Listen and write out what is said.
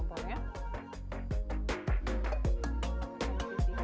oke selanjutnya kita akan bikin sal